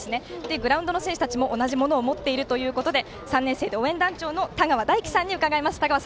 グラウンドの選手たちも同じものを持っているということで３年生で応援団長のたがわだいきさんに伺います。